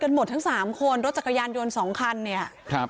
หมดทั้ง๓คนรถจักรยานยนต์๒คันเนี่ย